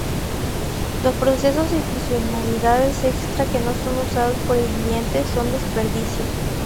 Los procesos y funcionalidades extra que no son usados por el cliente son desperdicios.